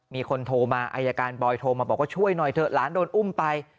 มีคนโทรมาอายการบอยโทรมาบอกว่าช่วยหน่อยเถอะหลานโดนอุ้มไป